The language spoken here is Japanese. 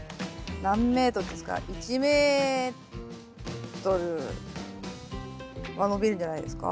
何メートルですか？は伸びるんじゃないですか。